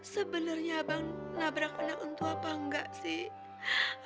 sebenernya abang nabrak anak untuk apa engga sih